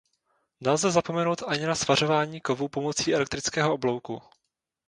Nelze zapomenout ani na svařování kovů pomocí elektrického oblouku.